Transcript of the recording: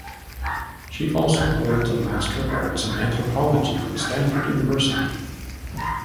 She also holds a Master of Arts in anthropology from Stanford University.